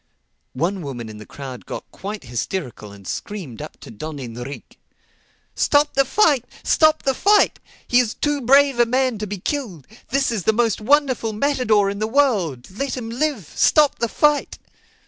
One woman in the crowd got quite hysterical and screamed up to Don Enrique, "Stop the fight! Stop the fight! He is too brave a man to be killed. This is the most wonderful matador in the world. Let him live! Stop the fight!"